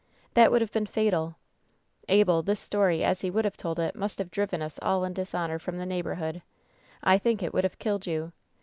That would have been fatal! Abel, this story, as he would have told it, must have driven us all in dishonor from the neighborhood. I think it would have killed you.